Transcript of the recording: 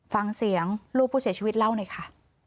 ฟังเสียงลูกผู้เสียชีวิตเล่าหน่อยค่ะ